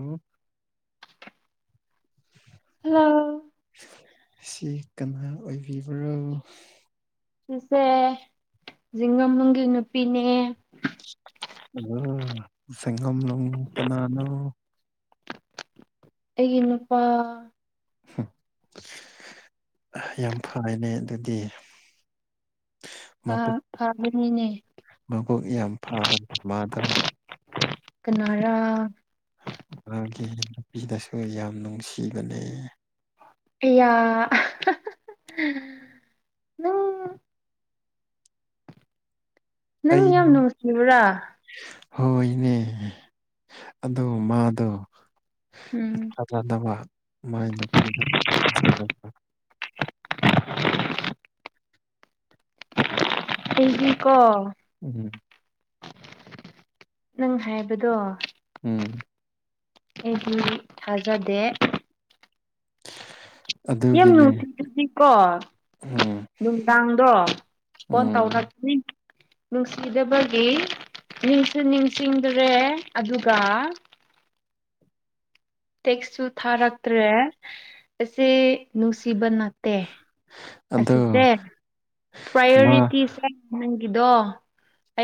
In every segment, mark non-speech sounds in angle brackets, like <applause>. ꯎꯝ hello ꯁꯤ ꯀꯅꯥ ꯑꯣꯏꯕꯤꯕ꯭ꯔꯣ ꯁꯤꯁꯦ ꯖꯤꯡꯉꯝꯕꯨꯡꯒꯤ ꯅꯨꯄꯤꯅꯦ꯫ ꯑꯗ ꯁꯪꯒꯣꯝꯂꯅꯨꯡ ꯀꯅꯥꯅꯣ꯫ ꯑꯩꯒꯤ ꯅꯨꯄꯥ ꯌꯥꯝ ꯐꯩꯅꯦ ꯑꯗꯨꯗꯤ ꯑ ꯑꯅꯤꯅꯦ ꯃꯕꯨꯣꯛ ꯌꯥꯝ ꯐꯕꯅꯦ ꯃꯥꯗ꯭ꯔꯣ ꯀꯅꯥꯔꯥ ꯃꯥꯒꯤ ꯅꯨꯄꯤꯗꯁꯨ ꯌꯥꯝ ꯅꯨꯡꯁꯤꯕꯅꯦ ꯍꯪ ꯅꯪ ꯑꯩ ꯌꯥꯝ ꯅꯨꯡꯁꯤꯕ꯭ꯔꯥ ꯍꯣꯏꯅꯦ ꯑꯗꯣ ꯃꯥꯗꯣ ꯎꯝ ꯐꯅꯕ ꯃꯥꯏ ꯅꯨꯄꯤꯗ ꯍꯒꯤ ꯀꯣ ꯎꯝ ꯅꯪ ꯍꯥꯏꯕꯗꯣ ꯎꯝ ꯑꯩꯗꯤ ꯊꯥꯖꯗꯦ ꯌꯥꯝ ꯑꯗꯨꯒꯤꯅꯦ ꯅꯨꯡꯇꯤꯗꯨꯗꯤꯀꯣ ꯎꯝ ꯅꯨꯡꯗꯥꯡꯗꯣ ꯐꯣꯟ ꯎꯝ ꯇꯧꯔꯀꯅꯤ ꯅꯨꯡꯁꯤꯗꯕꯒꯤ ꯅꯤꯡꯁꯤ ꯅꯤꯡꯁꯤꯡꯗ꯭ꯔꯦ ꯑꯗꯨꯒ ꯇꯦꯛꯁꯁꯨ ꯊꯥꯔꯛꯇ꯭ꯔꯦ ꯑꯁꯤ ꯅꯨꯡꯁꯤꯕ ꯅꯠꯇꯦ ꯑꯗꯣ ꯑꯁꯤꯁꯦ ꯃꯥ ꯄ꯭ꯔꯥꯏꯌꯣꯔꯤꯇꯤꯁꯦ ꯅꯪꯒꯤꯗꯣ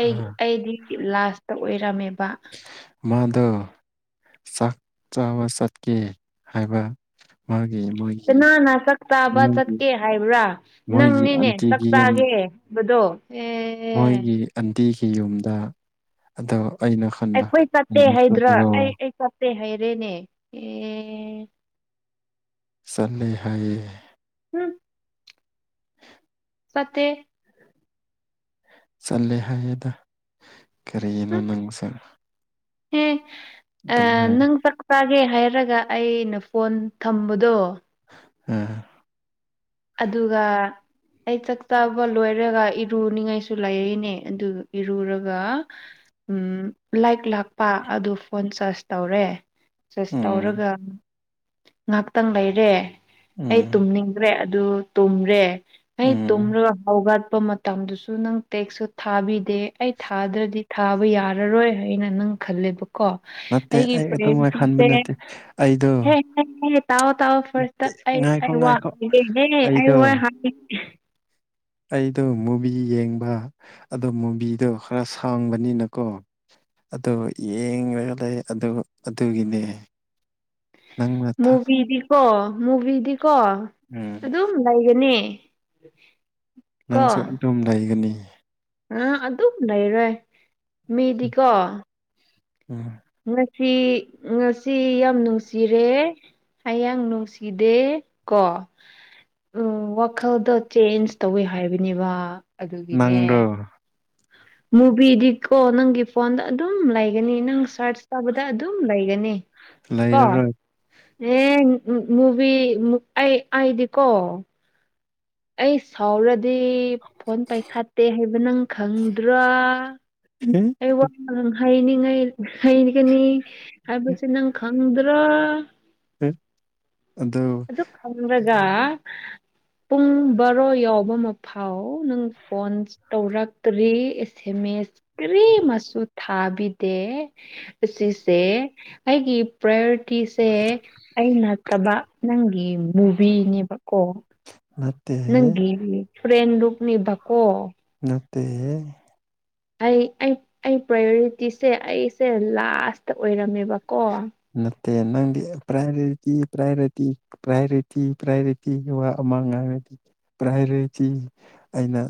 ꯑ ꯑꯩꯗꯤ ꯂꯥꯁꯇ ꯑꯣꯏꯔꯝꯃꯦꯕ ꯃꯥꯗ ꯆꯥꯛ ꯆꯥꯕ ꯆꯠꯀꯦ ꯍꯥꯏꯕ ꯃꯥꯒꯤ ꯃꯣꯏꯒꯤ ꯀꯅꯥꯅ ꯆꯥꯛ ꯆꯥꯕ ꯃꯣꯏꯒꯤ ꯆꯠꯀꯦ ꯍꯥꯏꯕ꯭ꯔꯥ ꯃꯣꯏꯒꯤ ꯅꯪꯅꯤꯅꯦ ꯆꯥꯛ ꯑꯟꯇꯤꯒꯤ ꯌꯨꯝ ꯆꯥꯒꯦ ꯕꯗꯣ ꯑꯦ ꯃꯣꯏꯒꯤ ꯑꯟꯇꯤꯒꯤ ꯌꯨꯝꯗ ꯑꯗꯣ ꯑꯩꯅ ꯈꯟꯕ ꯑꯩꯈꯣꯏ ꯆꯠꯇꯦ ꯍꯥꯏꯗ꯭ꯔꯥ ꯑꯩ ꯂꯥꯛꯇꯕ꯭ꯔꯣ ꯑꯩ ꯆꯠꯇꯦ ꯍꯥꯏꯔꯦꯅꯦ ꯑꯦ ꯆꯜꯂꯦ ꯍꯥꯏꯌꯦ ꯎꯝ ꯐꯠꯇꯦ ꯆꯠꯂꯦ ꯍꯥꯏꯌꯦꯦꯗ ꯀꯔꯤꯒꯤꯅꯣ ꯅꯪꯁ ꯍꯦ ꯑ ꯍꯥꯏ ꯅꯪ ꯆꯥꯒꯦ ꯍꯥꯏꯔꯒ ꯑꯩꯅ ꯐꯣꯟ ꯊꯝꯕꯗꯣ ꯎꯝ ꯑꯗꯨꯒ ꯑꯩ ꯆꯥꯛꯇꯥꯕ ꯂꯣꯏꯔꯒ ꯏꯔꯨꯅꯤꯉꯥꯏꯁꯨ ꯂꯩꯔꯤꯛꯅꯦ ꯑꯗꯨ ꯏꯔꯨꯔꯒ ꯎ ꯂꯥꯏꯛ ꯂꯥꯛꯄ ꯑꯗꯨ ꯐꯣꯟ ꯆꯥꯔꯖ ꯇꯧꯔꯦ ꯆꯁ ꯎꯝ ꯇꯧꯔꯒ ꯉꯥꯏꯍꯥꯛꯇꯪ ꯂꯩꯔꯦ ꯑꯩ ꯎꯝ ꯇꯨꯝꯅꯤꯡꯗ꯭ꯔꯦ ꯑꯗꯨ ꯇꯨꯝꯔꯦ ꯍ ꯎꯝ ꯇꯨꯝꯔꯒ ꯍꯥꯎꯒꯠꯄ ꯃꯇꯝꯗꯨꯁꯨ ꯅꯪ ꯇꯦꯛꯁꯨ ꯊꯥꯕꯤꯗꯦ ꯑꯩ ꯊꯥꯗ꯭ꯔꯗꯤ ꯊꯥꯕ ꯌꯥꯔꯔꯣꯏ ꯍꯥꯏꯅ ꯅꯪ ꯈꯜꯂꯦꯕ ꯀꯣ ꯅꯠꯇꯦ ꯑꯩꯒꯤ ꯑꯩ ꯑꯗꯨꯃꯥꯏ ꯈꯟꯕ ꯄ꯭ꯔꯦꯟꯁꯤꯡꯁꯦ ꯅꯠꯇꯦ ꯑꯩꯗꯣ ꯇꯥꯛꯑꯣ ꯇꯥꯛꯑꯣ ꯐꯔꯁ ꯅꯠꯇꯦ ꯉꯥꯏꯈꯣ ꯑꯩ ꯋꯥ ꯉꯥꯏꯈꯣ ꯑꯩ ꯑꯩꯗꯣ ꯋꯥ ꯑꯩꯗꯣ ꯃꯨꯚꯤ ꯌꯦꯡꯕ ꯑꯣ ꯃꯨꯚꯤꯗꯣ ꯈꯔ ꯁꯥꯡꯕꯅꯤꯅꯀꯣ ꯑꯗꯨ ꯌꯦꯡꯂꯒ ꯂꯩ ꯑꯗꯨ ꯑꯗꯨꯒꯤꯅꯦ ꯅꯪꯅ ꯊꯛ ꯃꯨꯚꯤꯗꯤꯀꯣ ꯃꯨꯚꯤꯗꯤꯀꯣ ꯎꯝ ꯑꯗꯨꯝ ꯂꯩꯒꯅꯤ ꯀꯣ ꯅꯪꯁꯨ ꯑꯗꯨꯝ ꯂꯩꯒꯅꯤ ꯑꯥ ꯑꯗꯨꯝ ꯂꯩꯔꯣꯏ ꯃꯤꯗꯤꯀꯣ ꯎꯝ ꯉꯁꯤ ꯉꯁꯤ ꯌꯥꯝ ꯅꯨꯡꯁꯤꯔꯦ ꯍꯌꯥꯡ ꯅꯨꯡꯁꯤꯗꯦ ꯀꯣ ꯎꯝ ꯋꯥꯈꯜꯗꯣ ꯆꯦꯟꯖ ꯇꯧꯋꯤ ꯍꯥꯏꯕꯅꯦꯕ ꯑꯗꯨꯒꯤꯅꯦ ꯅꯪꯔꯣ ꯃꯨꯚꯤꯗꯤꯀꯣ ꯅꯪꯒꯤ ꯐꯣꯟꯗ ꯑꯗꯨꯝ ꯂꯩꯒꯅꯤ ꯅꯪ ꯁꯔꯁ ꯇꯥꯧꯕꯗ ꯑꯗꯨꯝ ꯂꯩꯒꯅꯤ ꯀꯣ ꯂꯩꯔꯔꯣꯏ ꯑꯦ ꯃꯨꯚ ꯑꯩ ꯑꯩꯗꯤꯀꯣ ꯑꯩ ꯁꯥꯎꯔꯗꯤ ꯐꯣꯟ ꯄꯥꯏꯈꯥꯠꯇꯦ ꯍꯥꯏꯕ ꯅꯪ ꯈꯪꯗ꯭ꯔꯣ ꯎꯝ ꯑꯩ ꯋꯥꯃ ꯅꯪ ꯍꯉ ꯍꯩꯒꯅꯤ ꯍꯥꯏꯕꯁꯦ ꯅꯪ ꯈꯪꯗ꯭ꯔꯣ ꯐ ꯑꯗꯣ ꯈꯪꯒ ꯄꯨꯡ ꯕꯥꯔꯣ ꯌꯥꯎꯕ ꯃꯐꯥꯎ ꯅꯪ ꯐꯣꯟ ꯇꯧꯔꯛꯇ꯭ꯔꯤ ꯑꯦꯁ ꯑꯦꯝ ꯑꯦꯁ ꯀꯔꯤ ꯃꯆꯨ ꯊꯥꯕꯤꯗꯦ ꯑꯁꯤꯁꯦ ꯑꯩꯒꯤ ꯄ꯭ꯔꯥꯏꯌꯣꯔꯤꯇꯤꯁꯦ ꯑꯩ ꯅꯠꯇꯕ ꯅꯪ ꯃꯨꯕꯤꯅꯦꯕꯀꯣ ꯑ ꯅꯪꯒꯤ ꯐꯨꯔꯦꯟꯗꯨꯅꯦꯕꯀꯣ ꯅꯠꯇꯦ ꯑꯩ ꯑꯩ ꯑꯩ ꯄ꯭ꯔꯥꯏꯌꯣꯔꯤꯇꯤꯁꯦ ꯑꯩꯁꯦ ꯂꯥꯁꯇ ꯑꯣꯏꯔꯝꯃꯦꯕꯀꯣ ꯃꯦ ꯅꯪꯗꯤ ꯄꯥꯏꯣꯔꯤꯇꯤ ꯄꯥꯏꯣꯔꯤꯇꯤ ꯄ꯭ꯔꯌꯣꯔꯤꯇꯤ ꯄ꯭ꯔꯌꯣꯔꯤꯇꯤꯒꯤ ꯑꯃꯥꯡꯉꯗꯤ ꯄ꯭ꯔꯌꯣꯔꯤꯇꯤ ꯑꯩꯅ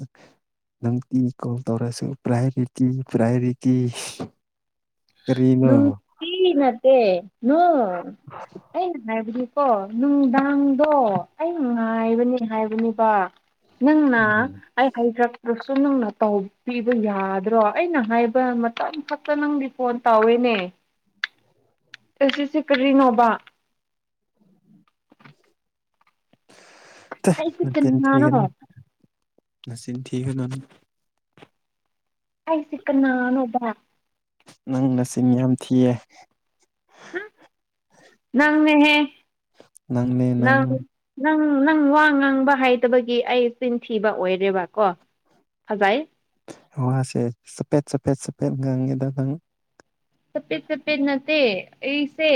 ꯅꯪꯇꯤ ꯀꯣꯜ ꯇꯧꯔꯁꯨ ꯄ꯭ꯔꯥꯏꯌꯣꯔꯤꯇꯤ ꯄ꯭ꯔꯥꯏꯌꯣꯔꯤꯇꯤ ꯀꯔꯤꯅꯣ ꯅꯨꯡ ꯀ ꯅꯠꯇꯦ ꯅ ꯍꯥꯏ ꯀꯣ ꯅꯨꯡꯗꯥꯡꯗꯣ ꯑꯩ ꯉꯥꯏꯕꯅꯤ ꯍꯥꯏꯕꯅꯦꯕ ꯅꯪꯅ ꯎꯝ ꯑꯩ ꯍꯩꯇꯔꯄ꯭ꯔꯁꯨ ꯅꯪꯅ ꯇꯧꯕꯤꯕ ꯌꯥꯗ꯭ꯔꯣ ꯑꯩꯅ ꯍꯥꯏꯕ ꯃꯇꯝ ꯈꯛꯇ ꯅꯪꯒꯤ ꯐꯣꯟ ꯇꯧꯋꯤꯅꯦ ꯑꯁꯤ ꯑꯁꯤꯁꯦ ꯀꯔꯤꯅꯣꯕ ꯑꯩꯁꯦ ꯅꯆꯅꯤ ꯀꯅꯥꯅꯣ ꯊꯅ ꯅꯆꯅꯤ ꯊꯅ ꯀꯥꯏ ꯁꯤꯛ ꯅꯅꯣꯕ ꯅꯪꯅ ꯆꯤꯡ ꯌꯥꯝ ꯊꯤꯌꯦ ꯅꯪꯅꯦꯍꯦ ꯅꯪ ꯅꯪ ꯅꯪ ꯋꯥ ꯉꯥꯡꯕ ꯍꯥꯏꯇꯕꯒꯤ ꯑꯩ ꯆꯤꯟꯊꯤꯕ ꯑꯣꯏꯔꯦꯕꯀꯣ ꯍꯖꯥꯏ ꯋꯥꯁꯦ ꯆꯐꯦꯠ ꯆꯐꯦꯠ ꯆꯐꯦꯠ ꯉꯥꯡꯉꯦꯗ ꯅꯪ ꯇꯞꯦꯠ ꯆꯄꯦꯠ ꯅꯠꯇꯦ ꯏꯁꯦ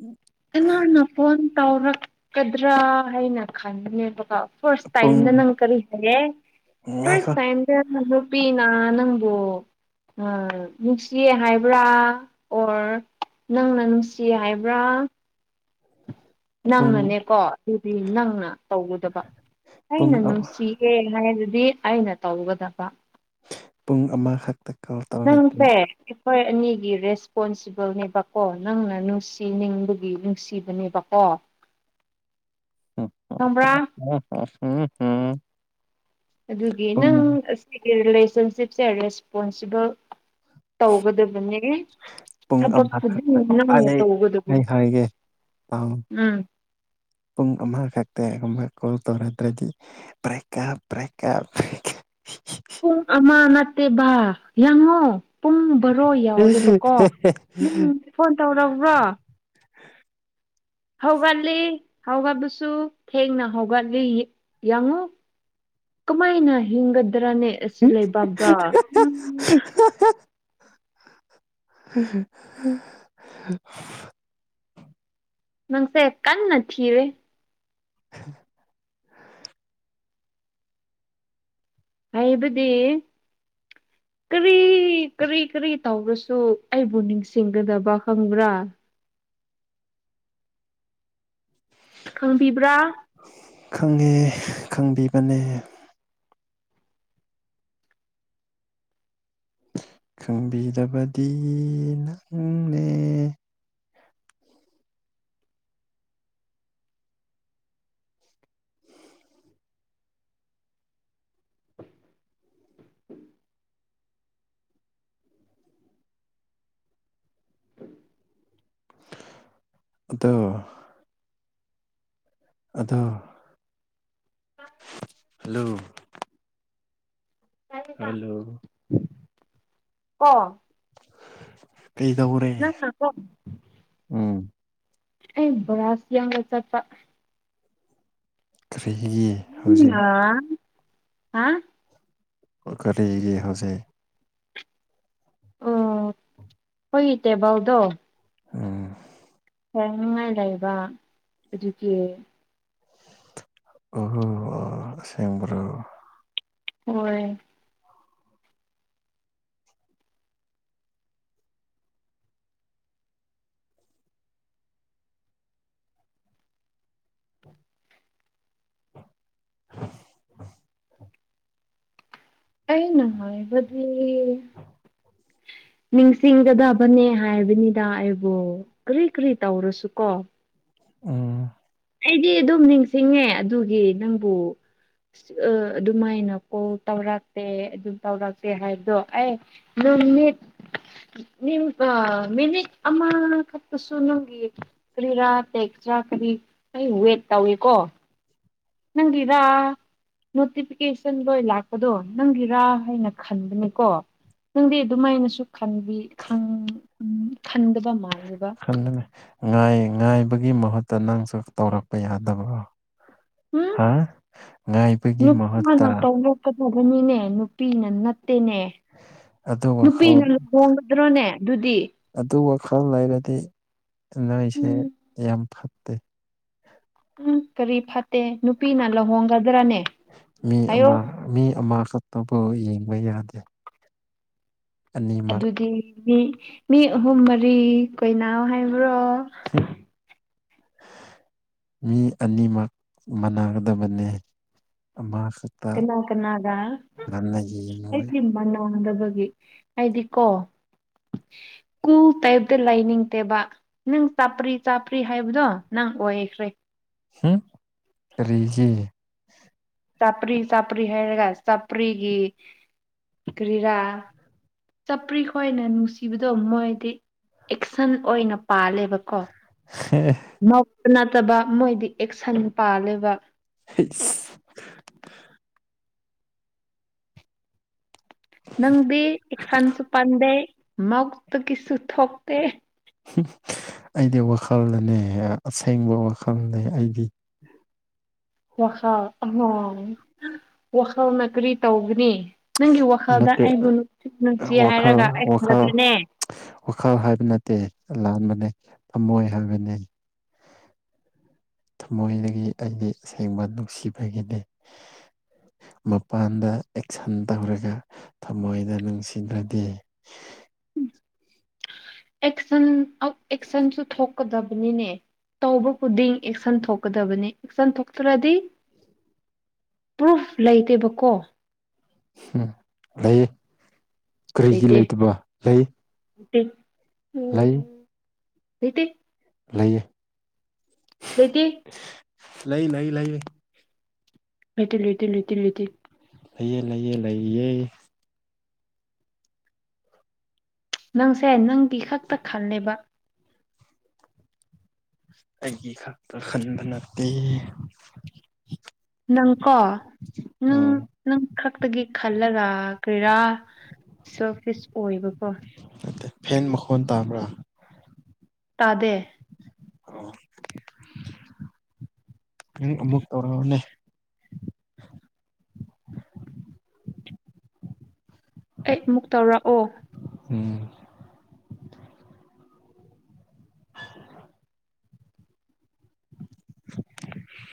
ꯎꯝ ꯀꯅꯥꯅ ꯐꯣꯟ ꯇꯧꯔꯛꯀꯗ꯭ꯔꯥ ꯍꯥꯏꯅ ꯈꯟꯕꯅꯦꯕꯀꯣ ꯐꯁ ꯇꯥꯏꯗ ꯄꯨꯡ ꯅꯪ ꯀꯔꯤ ꯍꯥꯏꯔꯦ ꯐꯔꯁ ꯉꯥꯏꯈꯣ ꯇꯥꯏ ꯅꯨꯄꯤꯅ ꯅꯪꯕꯨ ꯅꯨꯡꯁꯤꯌꯦ ꯍꯥꯏꯕ꯭ꯔꯥ ꯑꯣꯔ ꯅꯪꯅ ꯅꯨꯡꯁꯤ ꯍꯥꯏꯕ꯭ꯔꯥ ꯄꯨꯡ ꯅꯪꯅꯅꯦꯀꯣ ꯑꯗꯨꯗꯤ ꯅꯪꯅ ꯇꯧꯒꯗꯕ ꯑꯩꯅ ꯄꯨꯡ ꯅꯨꯡꯁꯤ ꯑꯦꯦ ꯍꯥꯏꯗꯨꯗꯤ ꯑꯩꯅ ꯇꯧꯒꯗꯕ ꯄꯨꯡ ꯑꯃꯈꯛꯇ ꯀꯣꯜ ꯅꯪꯁꯦ ꯇꯧꯔꯗꯤ ꯍꯣꯏ ꯑꯅꯤꯒꯤ ꯔꯦꯁꯄꯣꯟꯁꯤꯕꯜꯅꯦꯕꯀꯣ ꯅꯪꯅ ꯅꯨꯡꯁꯤ ꯅꯤꯡꯕꯒꯤ ꯅꯨꯡꯁꯤꯕꯅꯦꯕꯀꯣ ꯈꯪꯕ꯭ꯔꯥ ꯎ ꯍ ꯎꯝ ꯍꯝ ꯑꯗꯨꯒꯤ ꯅꯪ ꯑꯁꯤꯒꯤ ꯔꯤꯂꯦꯁꯟꯁꯤꯞꯁꯦ ꯔꯦꯁꯄꯣꯟꯁꯤꯕꯜ ꯇꯧꯒꯗꯕꯅꯦ ꯄꯨꯡ ꯊꯕꯛ ꯑꯃꯈꯛꯇ ꯈꯨꯗꯤꯡꯃꯛ ꯂꯅ ꯑꯩ ꯑꯩ ꯇꯧꯒꯗꯕꯅꯦꯕ ꯍꯥꯏꯒꯦ ꯄꯥꯎ ꯎꯝ ꯄꯨꯡ ꯑꯃꯈꯛꯇ ꯑꯃꯨꯛ ꯀꯣꯜ ꯇꯧꯔꯛꯇꯔꯗꯤ ꯕꯔ‌ꯦꯛꯀꯞ ꯕꯔ‌ꯦꯛꯀꯞ ꯄꯨꯡ ꯑꯃ ꯅꯠꯇꯦ ꯕꯥ ꯌꯦꯡꯉꯣ ꯄꯨꯡ ꯕꯔꯣ ꯌꯥꯎꯔꯦꯕꯀꯣ ꯅꯪ ꯐꯣꯟ ꯇꯧꯔꯛꯕ꯭ꯔꯣ ꯍꯧꯒꯠꯂꯤ ꯍꯧꯒꯕꯁꯨ ꯊꯦꯡꯅ ꯍꯧꯒꯠꯂꯤ ꯌꯦꯡꯉꯨ ꯀꯃꯥꯏꯅ ꯍꯤꯡꯒꯗ꯭ꯔꯥꯅꯦ ꯑꯁꯤ ꯂꯩꯕꯥꯛꯒ <inaudible> <inaudible> ꯅꯪꯁꯦ ꯀꯟꯅ ꯊꯤꯔꯦ <inaudible> ꯍꯥꯏꯕꯗꯤ <inaudible> ꯀꯔꯤ ꯀꯔꯤ ꯀꯔꯤ ꯇꯧꯔꯁꯨ ꯑꯩꯕꯨ ꯅꯤꯡꯁꯤꯡꯒꯗꯕ ꯈꯪꯕ꯭ꯔꯥ ꯈꯪꯕꯤꯕ꯭ꯔꯥ ꯈꯪꯉꯦ ꯈꯪꯕꯤꯕꯅꯦ ꯈꯪꯕꯤꯗꯕꯗꯤ ꯅꯪꯅꯦ <inaudible> ꯑꯗꯣ ꯑꯗꯣ ꯍꯜꯂꯣ ꯍꯜꯂꯣ ꯑꯣ ꯀꯩꯗꯧꯔꯦ <unintelligible> ꯎꯝ꯫ ꯑꯩ ꯕꯔꯁ ꯌꯦꯡꯕ ꯆꯠꯄ ꯀꯔꯤꯒꯤ ꯍꯧꯖꯤꯛ ꯅꯪꯅ ꯍꯥ ꯀꯔꯤꯒꯤ ꯍꯧꯖꯤꯛ ꯑꯣ ꯑꯩꯈꫭꯏꯒꯤ ꯇꯦꯕꯥꯜꯗꯣ ꯎꯝ꯫ ꯁꯦꯡꯅꯤꯉꯥꯏ ꯂꯩꯕ ꯑꯗꯨꯒꯤ ꯑꫭꯍꯣ ꯑꯣ ꯑꯁꯦꯡꯕ꯭ꯔꯣ ꯍꯣꯏ꯫ <inaudible> ꯑꯩꯅ ꯍꯥꯏꯕꯗꯤ ꯅꯤꯡꯁꯤꯡꯒꯗꯕꯅꯦ ꯍꯥꯏꯕꯅꯤꯗ ꯑꯩꯕꯨ ꯀꯔꯤ ꯀꯔꯤ ꯇꯧꯔꯁꯨ ꯀꯣ ꯎꯝ꯫ ꯑꯩꯗꯤ ꯑꯗꯨꯝ ꯅꯤꯡꯁꯤꯡꯉꯦ ꯑꯗꯨꯒꯤ ꯅꯪꯕꯨ ꯑꯗꯨꯃꯥꯏꯅ ꯀꯣꯜ ꯇꯧꯔꯛꯇꯦ ꯑꯗꯨ ꯇꯧꯔꯛꯇꯦ ꯍꯥꯏꯕꯗꯣ ꯑꯦ ꯅꯨꯃꯤꯠ ꯃꯤꯅꯤꯛ ꯑꯃ ꯈꯠꯇꯁꯨ ꯅꯪꯒꯤ ꯀꯔꯤꯔ ꯄꯦꯛꯇ꯭ꯔꯥ ꯀꯔꯤ ꯑꯩꯕꯨ ꯋꯦꯠ ꯇꯧꯏꯀꯣ ꯅꯪꯒꯤꯔꯥ ꯅꯣꯇꯤꯐꯤꯀꯦꯁꯟ ꯂꯣꯏ ꯂꯥꯛꯄꯗꯣ ꯅꯪꯒꯤꯔꯥ ꯍꯥꯏꯅ ꯈꯟꯕꯅꯤꯀꯣ ꯅꯪꯗꯤ ꯑꯗꯨꯃꯥꯏꯅꯁꯨ ꯈꯟꯕꯤ ꯈꯟ ꯈꯟꯗꯕ ꯃꯥꯜꯂꯤꯕ ꯈꯟꯕꯅꯦꯏ ꯉꯥꯏ ꯉꯥꯏꯕꯒꯤ ꯃꯍꯨꯠꯇ ꯅꯪꯁꯨ ꯇꯧꯔꯛꯄ ꯌꯥꯗꯕ꯭ꯔꯣ ꯎꯝ ꯍꯥ ꯉꯥꯏꯕꯒꯤ ꯃꯍꯨꯠꯇ ꯆꯀꯗꯕꯅꯤꯅꯦ ꯅꯨꯄꯤꯅ ꯅꯠꯇꯦꯅꯦ ꯑꯗꯨ ꯋꯥꯈꯜ ꯅꯨꯄꯤꯅ ꯂꯨꯍꯣꯡ ꯆꯨꯝꯇ꯭ꯔꯣꯅꯦ ꯑꯗꯨꯗꯤ ꯑꯗꯨ ꯋꯥꯈꯜ ꯂꯩꯔꯗꯤ ꯅꯣꯏꯁꯦ ꯎꯝ ꯌꯥꯝ ꯐꯠꯇꯦ ꯎꯪ ꯀꯔꯤ ꯐꯠꯇꯦ ꯅꯨꯄꯤꯅ ꯂꯍꯣꯡꯒꯗ꯭ꯔꯥꯅꯦ ꯃꯤ ꯑꯃ ꯃꯤ ꯑꯃꯈꯛꯇꯕꯨ ꯌꯦꯡꯕ ꯌꯥꯗꯦ ꯑꯅꯤꯃꯛ ꯑꯗꯨꯗꯤ ꯃꯤ ꯃꯤ ꯑꯍꯨꯝ ꯃꯔꯤ ꯀꯣꯏꯅꯥꯎ ꯍꯥꯏꯕ꯭ꯔꯣ ꯍꯝ ꯃꯤ ꯑꯅꯤꯃꯛ ꯃꯥꯟꯅꯒꯗꯕꯅꯦ ꯀꯅꯥ ꯀꯅꯥꯒ ꯉꯟꯅ ꯌꯦꯡꯉꯣꯏ ꯑꯩꯗꯤ ꯃꯅꯥꯥꯡꯗꯕꯒꯤ ꯍꯥꯏꯗꯤ ꯀꯣ ꯀꯨ ꯇꯥꯏꯞꯇ ꯂꯩꯅꯤꯡ ꯇꯦꯕ ꯅꯪ ꯆꯥꯄ꯭ꯔꯤ ꯆꯥꯄ꯭ꯔꯤ ꯍꯥꯏꯕꯗꯣ ꯅꯪ ꯑꯣꯏꯈ꯭ꯔꯦ ꯎꯝ ꯇꯔꯤ ꯍ ꯆꯥꯄ꯭ꯔꯤ ꯆꯥꯄꯔꯤ ꯍꯥꯏꯔꯒ ꯆꯥꯄ꯭ꯔꯤꯒꯤ ꯒ꯭ꯔꯤꯔꯥ ꯆꯄ꯭ꯔꯤ ꯈꯣꯏꯅ ꯅꯨꯡꯁꯤꯕꯗꯣꯝ ꯑꯣꯏꯣꯏꯗꯤ ꯑꯦꯛꯁꯟ ꯑꯣꯏꯅ ꯄꯥꯜꯂꯦꯕꯀꯣ <unintelligible> ꯃꯧꯛꯇ ꯅꯠꯇꯕ ꯃꯣꯏꯗꯤ ꯑꯦꯛꯁꯟ ꯄꯥꯜꯂꯦꯕ <unintelligible> ꯅꯪꯗꯤ ꯑꯦꯛꯁꯥꯟꯁꯨ ꯄꯥꯟꯗꯦ ꯃꯛꯇꯒꯤꯁꯨ ꯊꯣꯛꯇꯦ ꯑꯩꯗꯤ ꯋꯥꯈꯜꯗꯅꯦ ꯑꯁꯦꯡꯕ ꯋꯥꯈꯜꯅꯦ ꯑꯩꯗꯤ ꯋꯥꯈꯜ ꯑ ꯋꯥꯈꯜꯅ ꯀꯔꯤ ꯇꯧꯒꯅꯤ ꯅꯪꯒꯤ ꯋꯥꯈꯜꯗ ꯅꯠꯇꯦ ꯑꯩꯕꯨ ꯅꯨꯡꯁꯤ ꯋꯥꯈꯜ ꯍꯥꯏꯔꯒ ꯑꯩ ꯋꯥꯈꯜ ꯈꯪꯗ꯭ꯔꯅꯦ ꯋꯥꯈꯜ ꯍꯥꯏꯕ ꯅꯠꯇꯦ ꯂꯥꯟꯕꯅꯦ ꯊꯝꯃꯣꯏ ꯍꯥꯏꯕꯅꯦ ꯊꯃꯣꯏꯗꯒꯤ ꯑꯩꯗꯤ ꯑꯁꯦꯡꯕ ꯅꯨꯡꯁꯤꯕꯒꯤꯅꯤ ꯃꯄꯥꯟꯗ ꯑꯦꯛꯁꯟ ꯇꯧꯔꯒ ꯊꯃꯣꯏꯗ ꯅꯨꯡꯁꯤꯗ꯭ꯔꯗꯤ ꯑꯦꯛꯁꯟ ꯑꯦꯁꯟꯁꯨ ꯊꯣꯛꯀ ꯗꯕꯅꯤꯅꯦ ꯇꯧꯕ ꯈꯨꯗꯤꯡ ꯑꯦꯛꯁꯟ ꯊꯣꯛꯀꯗꯕꯅꯤ ꯑꯦꯛꯁꯟ ꯊꯣꯛꯇ꯭ꯔꯗꯤ ꯄ꯭ꯔꯨꯐ ꯂꯩꯇꯦꯕꯀꯣ ꯎꯝ ꯂꯩ ꯀꯔꯤꯒꯤ ꯂꯩꯇꯦ ꯂꯩꯇꯕ ꯂꯩ ꯂꯩ ꯎꯝ ꯂꯩꯇꯦ ꯂꯩꯌꯦ ꯂꯩꯇꯦ ꯂꯩ ꯂꯩ ꯂꯩ ꯂꯩꯇꯦ ꯂꯩꯇꯦ ꯂꯩꯇꯦ ꯂꯩꯇꯦ ꯂꯩꯌꯦ ꯂꯩꯌꯦ ꯂꯩꯌꯦ ꯅꯪꯁꯦ ꯅꯪꯒꯤ ꯈꯛꯇ ꯈꯜꯂꯦꯕ ꯑꯩꯒꯤ ꯈꯛꯇ ꯈꯟꯕ ꯅꯠꯇ ꯅꯪꯀꯣ ꯎꯝ ꯅꯪ ꯈꯛꯇꯒꯤ ꯈꯜꯂꯔꯥ ꯀꯣꯏꯔꯥ ꯁꯣ ꯐꯤꯁ ꯑꯣꯏꯕꯀꯣ ꯅꯠꯇ ꯐꯦꯟ ꯃꯈꯣꯟ ꯇꯥꯕ꯭ꯔꯥ ꯇꯥꯗꯦ ꯑꯃꯨꯛ ꯇꯧꯔꯑꯣꯅꯦ ꯑꯩ ꯑꯃꯨꯛ ꯇꯧꯔꯛꯑꯣ ꯎꯝ <unintelligible>